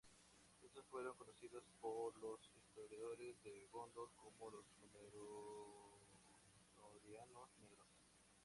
Estos fueron conocidos por los historiadores de Gondor como los númenóreanos negros.